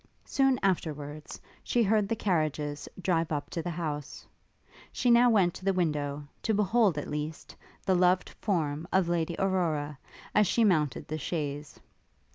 Soon afterwards, she heard the carriages drive up to the house. She now went to the window, to behold, at least, the loved form of Lady Aurora as she mounted the chaise.